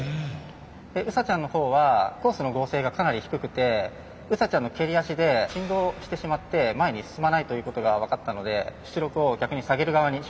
ウサちゃんのほうはコースの剛性がかなり低くてウサちゃんの蹴り脚で振動してしまって前に進まないということが分かったので出力を逆に下げる側にしました。